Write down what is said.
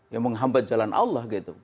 yang menghambat jalan allah gitu